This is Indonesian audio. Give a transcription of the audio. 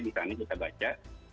di sana kita baca